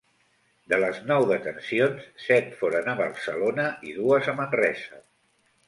De les nou detencions, set foren a Barcelona i dues a Manresa.